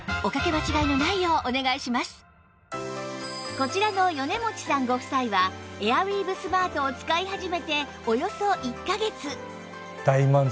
こちらの米持さんご夫妻はエアウィーヴスマートを使い始めておよそ１カ月